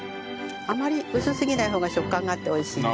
あまり薄すぎない方が食感があって美味しい。